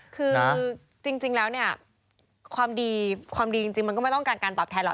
คือจริงแล้วเนี่ยความดีความดีจริงมันก็ไม่ต้องการการตอบแทนหรอก